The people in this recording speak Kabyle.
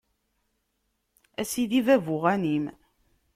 A sidi bab uγanim.